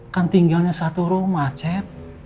kan tinggalnya satu rumah cep